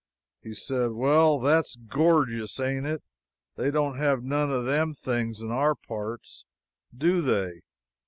He said: "Well, that's gorgis, ain't it! They don't have none of them things in our parts, do they?